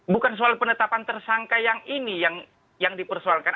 bukan soal penetapan tersangka yang ini yang dipersoalkan